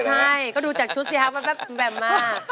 ใช่ก็ดูจากชุดสิฮะแบบมา